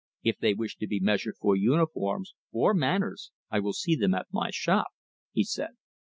"If they wish to be measured for uniforms or manners I will see them at my shop," he said.